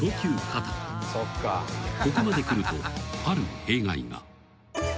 ［ここまでくるとある弊害が］